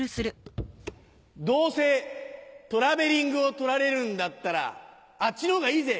どうせトラベリングを取られるんだったらあっちのがいいぜ！